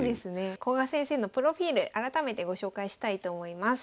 古賀先生のプロフィール改めてご紹介したいと思います。